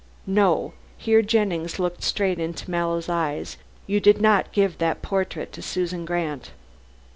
No," here Jennings looked straight into Mallow's eyes, "you did not give that portrait to Susan Grant."